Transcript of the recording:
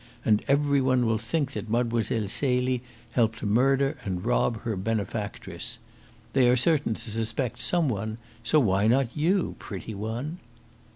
And every one will think that Mlle. Celie helped to murder and rob her benefactress. They are certain to suspect some one, so why not you, pretty one?"